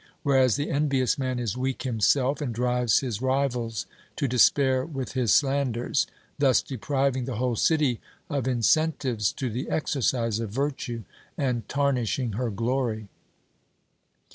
Whereas the envious man is weak himself, and drives his rivals to despair with his slanders, thus depriving the whole city of incentives to the exercise of virtue, and tarnishing her glory.